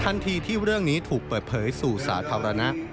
ทันทีที่เรื่องนี้ถูกเปิดเผยสู่สาธารณะ